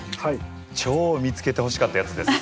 超見つけてほしかったやつです。